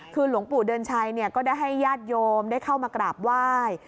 คือหลวงปู่เดือนชัยก็ได้ให้ญาติโยมได้เข้ามากราบไหว้